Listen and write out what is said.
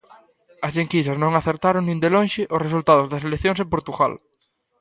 As enquisas non acertaron nin de lonxe o resultado das eleccións en Portugal.